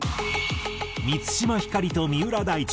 満島ひかりと三浦大知